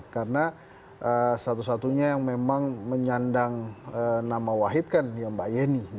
karena satu satunya yang memang menyandang nama wahid kan mbak yeni